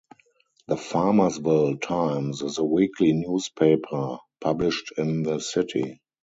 The "Farmersville Times" is a weekly newspaper published in the city.